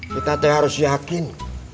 kita tidak harus yakin